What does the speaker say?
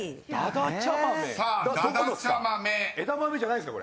枝豆じゃないんすか？